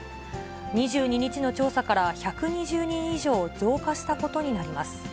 ２２日の調査から１２０人以上増加したことになります。